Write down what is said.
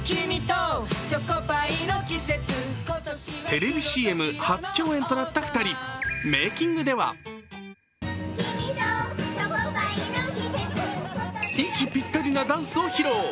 テレビＣＭ初共演となった２人メーキングでは息ぴったりなダンスを披露